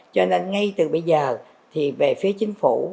cho nên ngay từ bây giờ thì về phía chính phủ